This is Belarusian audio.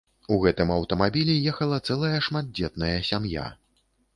У гэтым аўтамабілі ехала цэлая шматдзетная сям'я.